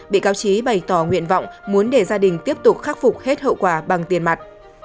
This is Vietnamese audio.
bị cáo trí bày tỏ nguyện vọng muốn để gia đình tiếp tục khắc phục hết hậu quả bằng tiền mặt